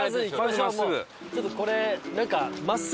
ちょっとこれなんか。